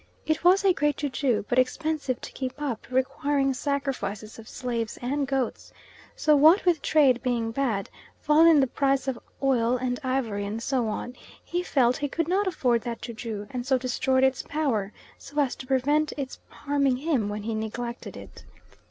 It was a great ju ju, but expensive to keep up, requiring sacrifices of slaves and goats, so what with trade being bad, fall in the price of oil and ivory and so on, he felt he could not afford that ju ju, and so destroyed its power, so as to prevent its harming him when he neglected it.